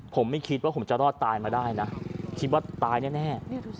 ผมไม่คิดว่าผมจะรอดตายมาได้นะคิดว่าตายแน่